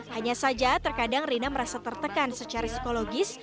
hanya saja terkadang rina merasa tertekan secara psikologis